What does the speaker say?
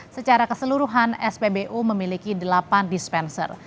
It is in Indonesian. secara keseluruhan spbu memiliki delapan dispenser